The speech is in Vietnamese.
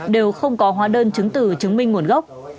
đều không có hóa đơn chứng từ chứng minh nguồn gốc